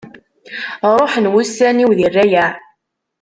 Ruḥen wussan-iw di rrayeε.